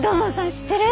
知ってる？